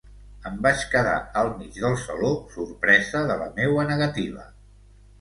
Em vaig quedar al mig del saló, sorpresa de la meua negativa.